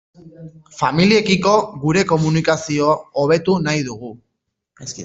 Familiekiko gure komunikazio hobetu nahi dugu.